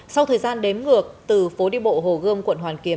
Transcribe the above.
sau thời gian đếm ngược từ phố đi bộ hồ gươm quận hoàn kiếm